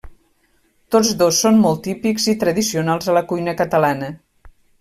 Tots dos són molt típics i tradicionals a la cuina catalana.